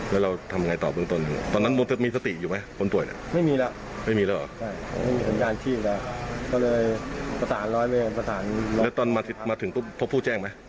เราส่งคู่